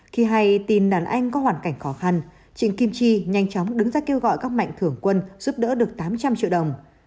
khi hay tin đàn anh có hoàn cảnh khó khăn trịnh kim chi nhanh chóng đứng ra kêu gọi các mạnh thưởng quân giúp đỡ được tám trăm linh triệu đồng